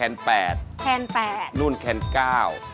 สวัสดีครับ